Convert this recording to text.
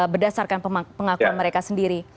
berdasarkan pengakuan mereka sendiri